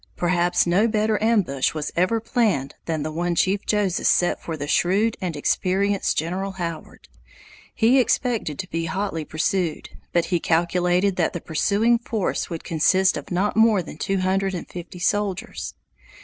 Perhaps no better ambush was ever planned than the one Chief Joseph set for the shrewd and experienced General Howard. He expected to be hotly pursued, but he calculated that the pursuing force would consist of not more than two hundred and fifty soldiers.